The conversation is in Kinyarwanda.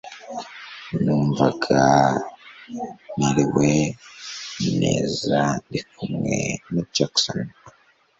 numvaga merewe neza ndikumwe na Jackson